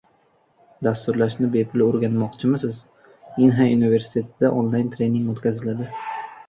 Dasturlashni bepul o‘rganmoqchimisiz? Inha universitetida onlayn-trening o‘tkaziladi